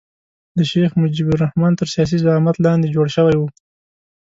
د شیخ مجیب الرحمن تر سیاسي زعامت لاندې جوړ شوی وو.